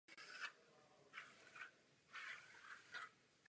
O judu napsal několik publikací.